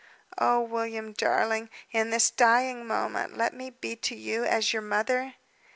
"Oh, William, darling! in this dying moment let me be to you as your mother!"